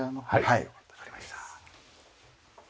はいわかりました。